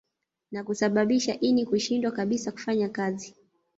Na kusababisha ini kushindwa kabisa kufanya kazi